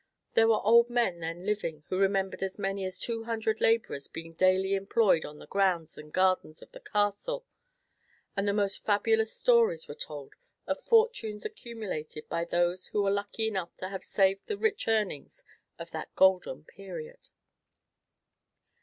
There were old men then living who remembered as many as two hundred laborers being daily employed on the grounds and gardens of the Castle; and the most fabulous stories were told of fortunes accumulated by those who were lucky enough to have saved the rich earnings of that golden period.